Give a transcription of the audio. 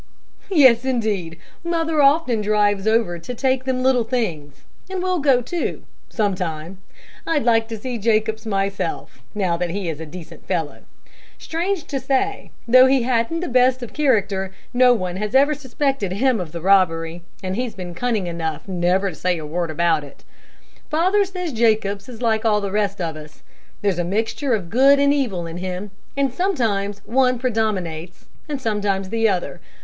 "Yes, indeed; mother often drives over to take them little things, and we'll go, too, sometime. I'd like to see Jacobs myself, now that he is a decent fellow. Strange to say, though he hadn't the best of character, no one has ever suspected him of the robbery, and he's been cunning enough never to say a word about it. Father says Jacobs is like all the rest of us. There's mixture of good and evil in him, and sometimes one predominates, and sometimes the other.